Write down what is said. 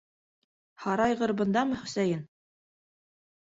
Һарайғыр бындамы, Хөсәйен?